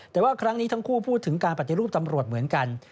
แต่ว่าครั้งนี้ทั้งคู่พูดถึงการปฏิรูปตำรวจเหมือนกัน